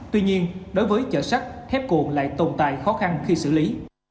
tuy nhiên đối với chợ sắt thép cuồn lại tồn tại khó khăn khi xử lý